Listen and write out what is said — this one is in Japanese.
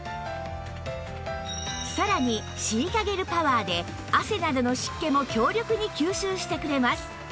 さらにシリカゲルパワーで汗などの湿気も強力に吸収してくれます